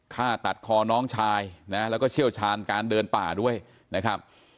ฆ่าตัดคอน้องชายนะแล้วก็เชี่ยวชาญการเดินป่าด้วยนะครับ